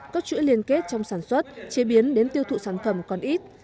các chuỗi liên kết trong sản xuất chế biến đến tiêu thụ sản phẩm còn ít